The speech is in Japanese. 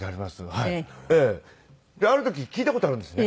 である時聞いた事があるんですね。